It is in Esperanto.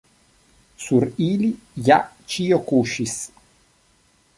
Sur ili ja ĉio kuŝis.